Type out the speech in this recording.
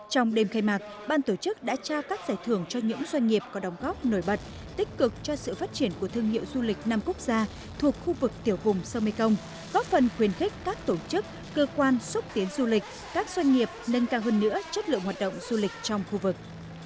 trong đêm khai mạc ban tổ chức đã trao các giải thưởng cho những doanh nghiệp có đóng góp nổi bật tích cực cho sự phát triển của thương hiệu du lịch năm quốc gia thuộc khu vực tiểu vùng sông mekong góp phần khuyến khích các tổ chức cơ quan xúc tiến du lịch các doanh nghiệp nâng cao hơn nữa chất lượng hoạt động du lịch trong khu vực